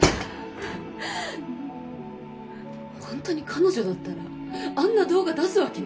ほんとに彼女だったらあんな動画出すわけないです